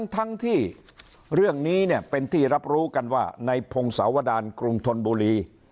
ทั้งที่เรื่องนี้เนี่ยเป็นที่รับรู้กันว่าในพงศาวดารกรุงธนบุรี